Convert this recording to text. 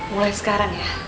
mulai sekarang ya